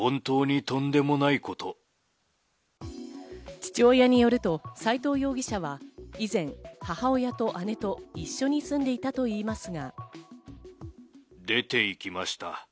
父親によると斎藤容疑者は以前、母親と姉と一緒に住んでいたといいますが。